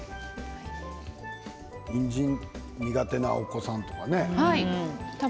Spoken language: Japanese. にんじん苦手なお子さんとかね。